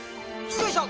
よいしょ！